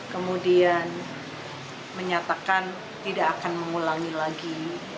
kemudian menyatakan tidak akan mengulangi lagi